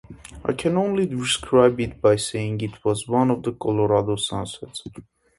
I can only describe it by saying it was one of Colorado's sunsets.